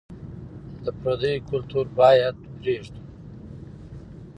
د پرديو کلتور بايد پرېږدو.